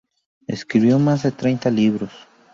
Escribió más de treinta libros.